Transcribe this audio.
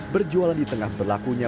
berjualan di tengah berlakunya